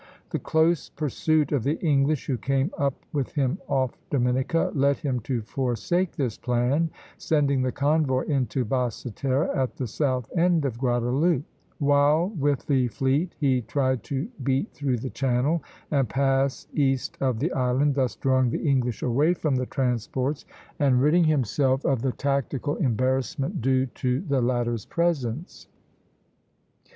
The close pursuit of the English, who came up with him off Dominica, led him to forsake this plan, sending the convoy into Basse Terre at the south end of Guadeloupe, while with the fleet he tried to beat through the channel and pass east of the island, thus drawing the English away from the transports and ridding himself of the tactical embarrassment due to the latter's presence.